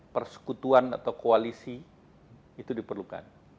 persekutuan atau koalisi itu diperlukan